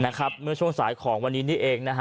เมื่อช่วงสายของวันนี้นี่เองนะฮะ